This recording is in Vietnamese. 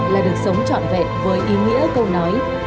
là được sống trọn vẹn với ý nghĩa câu nói